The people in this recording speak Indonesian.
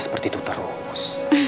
seperti itu terus